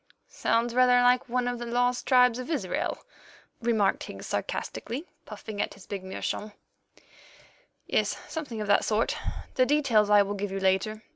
"Sounds rather like one of the lost tribes of Israel," remarked Higgs sarcastically, puffing at his big meerschaum. "Yes, something of that sort. The details I will give you later.